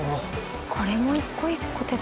これも一個一個手で。